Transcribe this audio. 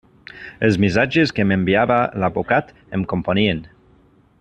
Els missatges que m'enviava l'advocat em confonien.